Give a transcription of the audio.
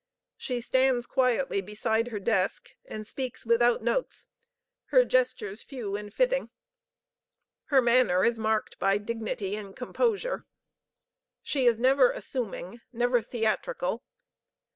She stands quietly beside her desk, and speaks without notes, with gestures few and fitting. Her manner is marked by dignity and composure. She is never assuming, never theatrical.